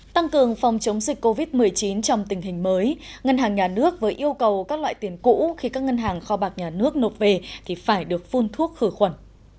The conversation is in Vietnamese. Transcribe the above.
tăng cường phòng chống dịch covid một mươi chín trong tình hình mới ngân hàng nhà nước vừa yêu cầu các loại tiền cũ khi các ngân hàng kho bạc nhà nước nộp về thì phải được phun thuốc khử khuẩn